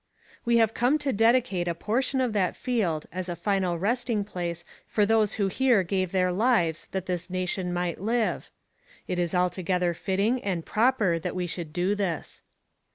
We have come to dedicate a portion of that field as a final resting place for those who here gave their lives that this nation might live. It is altogether fitting and proper that we should do this.